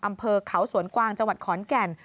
อำเภอเขาสวนกวางจังหวัดขอนแก่น